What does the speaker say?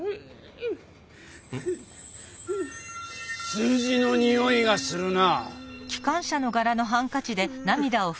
数字のにおいがするな。